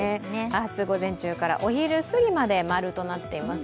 明日午前中からお昼すぎまで○となっています。